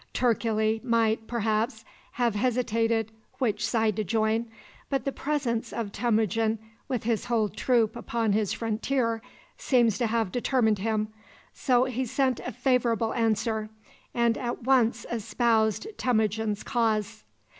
Turkili might, perhaps, have hesitated which side to join, but the presence of Temujin with his whole troop upon his frontier seems to have determined him, so he sent a favorable answer, and at once espoused Temujin's cause.